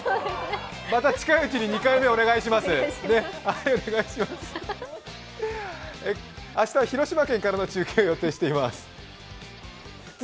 また近いうちに２回目お願いします明日は広島県からの中継を予定しています。